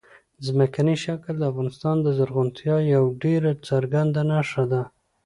ځمکنی شکل د افغانستان د زرغونتیا یوه ډېره څرګنده نښه ده.